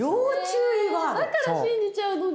えだから信じちゃうのに。